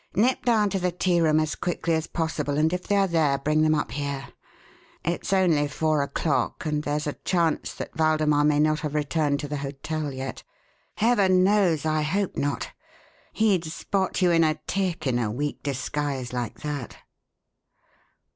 "Nip down to the tearoom as quickly as possible, and if they are there bring them up here. It's only four o'clock and there's a chance that Waldemar may not have returned to the hotel yet. Heaven knows, I hope not! He'd spot you in a tick, in a weak disguise like that."